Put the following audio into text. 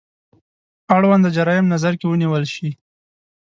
اړونده جرايم نظر کې ونیول شي.